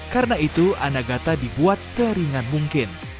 karena itu anagata dibuat seringan mungkin